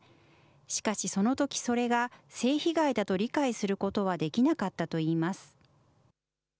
しかし、そのときそれが性被害だと理解することはできなかったといいます。